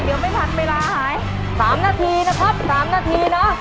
เดี๋ยวไม่ทันเวลาหาย๓นาทีนะครับ๓นาทีนะ